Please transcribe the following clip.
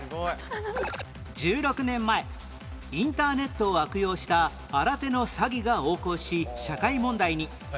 １６年前インターネットを悪用した新手の詐欺が横行し社会問題に